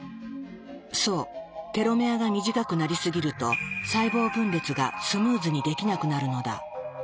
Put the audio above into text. そうテロメアが短くなりすぎると細胞分裂がスムーズにできなくなるのだ。